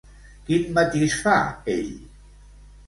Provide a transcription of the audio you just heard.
Quin matís fa ell?